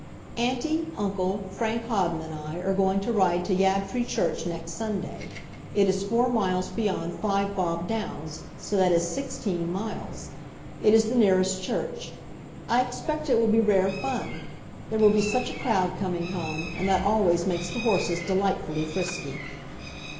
Auntie, uncle, Frank Hawden and I, are going to ride to Yabtree church next Sunday. It is four miles beyond Five Bob Downs, so that is sixteen miles. It is the nearest church. I expect it will be rare fun. There will be such a crowd coming home, and that always makes the horses delightfully frisky.